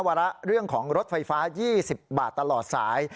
วาระเรื่องของรถไฟฟ้า๒๐บาทตลอดสาย